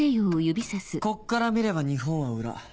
こっから見れば日本は裏。